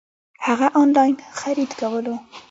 هغه انلاين خريد کولو